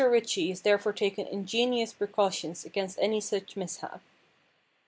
Ritchie has therefore taken ingenious precautions against any such mishap.